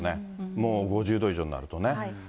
もう５０度以上になるとね。